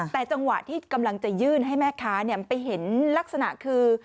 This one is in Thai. แต่จังหวะที่กำลังจะยื่นให้แม่ค้าไปเห็นลักษณะคือ